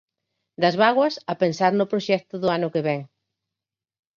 Das bágoas a pensar no proxecto do ano que vén.